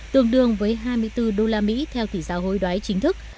tương đương với hai mươi bốn đô la mỹ theo tỷ giá hối đoái chính thức